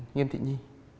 nghiêm thị nhi